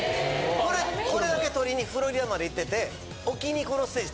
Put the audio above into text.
これだけ撮りにフロリダまで行ってて沖にこのステージ